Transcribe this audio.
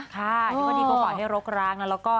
ที่ดีกว่าให้มันรกร้าง